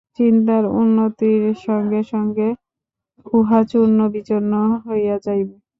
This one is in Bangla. চিন্তার উন্নতির সঙ্গে সঙ্গে উহা চূর্ণ বিচূর্ণ হইয়া যাইবে।